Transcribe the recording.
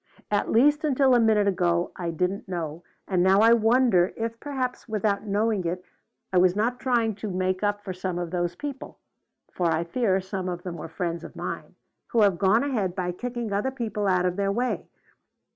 "At least until a minute ago I didn't know, and now I wonder if perhaps, without knowing it, I was not trying to make up for some of those people for I fear some of them were friends of mine who have gone ahead by kicking other people out of their way.